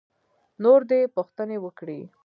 نور دې پوښتنې وکړي.